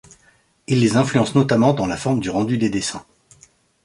Il les influence notamment dans la forme du rendu des dessins.